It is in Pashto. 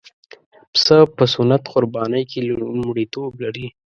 پسه په سنت قربانۍ کې لومړیتوب لري.